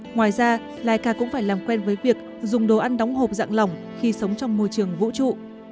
ngoài ra laika cũng phải làm quen với việc dùng đồ ăn đóng hộp dạng lỏng khi sống trong môi trường vũ trụ